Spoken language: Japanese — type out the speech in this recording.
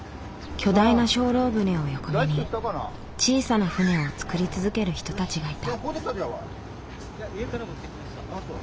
巨大な精霊船を横目に小さな船を作り続ける人たちがいた。